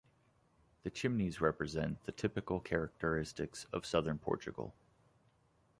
The chimneys represent the typical characteristics of southern Portugal.